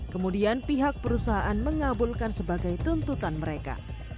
kemudian pihak perusahaan mengabulkan sebagai tuntutan mereka